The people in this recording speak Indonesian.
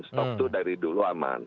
stok itu dari dulu aman